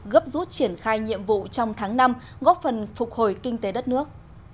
gấp rút triển khai nhiệm vụ trong tháng năm góp phần phục hồi kinh tế đất nước